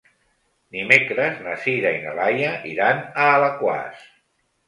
Dimecres na Sira i na Laia iran a Alaquàs.